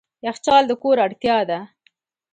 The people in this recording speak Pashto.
یخچال د کور اړتیا ده.